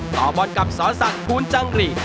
ต่อบนกับสรรศักดิ์พุนจังหรี่